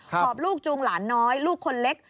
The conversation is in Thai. หอบลูกจูงหลานน้อยลูกคนเล็ก